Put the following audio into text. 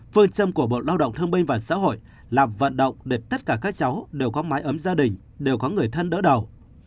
phương châm của bộ lao động thương binh và xã hội là vận động để tất cả các cháu đều có mái ấm gia đình đều có người thân đỡ đầu